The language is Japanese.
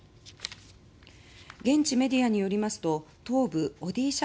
現地メディアによりますと東部オディシャ